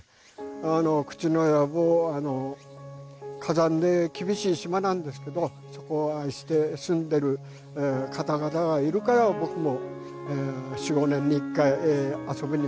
あの口永良部火山で厳しい島なんですけどそこを愛して住んでいる方々がいるから僕も４５年に一回遊びに帰れるわけだし。